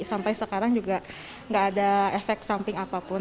sampai sekarang juga nggak ada efek samping apapun